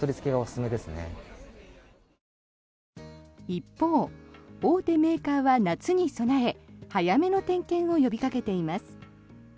一方、大手メーカーは夏に備え早めの点検を呼びかけています。